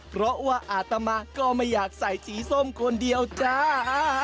เพราะว่าอาตมาก็ไม่อยากใส่สีส้มคนเดียวจ้า